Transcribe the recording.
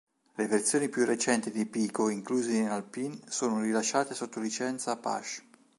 Le versioni più recenti di Pico incluse in Alpine sono rilasciate sotto licenza Apache.